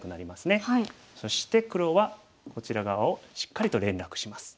そして黒はこちら側をしっかりと連絡します。